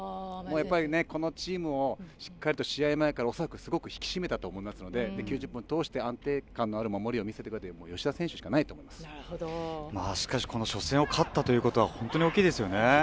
このチームをしっかりと試合前から恐らくすごく引き締めたと思いますので９０分を通して安定感のある守りを見せてくれたしかし初戦を勝ったということは本当に大きいですよね。